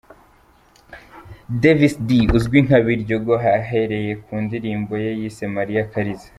Davis D uzwi nka ’Biryogo’ ahereye ku ndirimbo ye yise ’Maria Kaliza’.